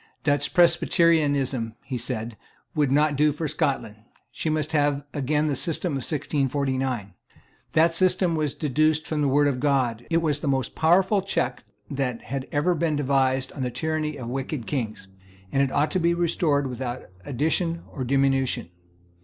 Dutch Presbyterianism, he said, would not do for Scotland. She must have again the system of 1649. That system was deduced from the Word of God: it was the most powerful check that had ever been devised on the tyranny of wicked kings; and it ought to be restored without addition or diminution.